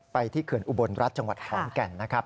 ที่เขื่อนอุบลรัฐจังหวัดขอนแก่นนะครับ